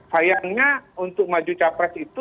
sayangnya untuk maju calon presiden itu